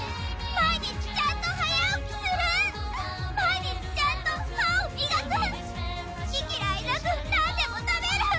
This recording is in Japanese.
毎日ちゃんと歯を磨く好き嫌いなく何でも食べる。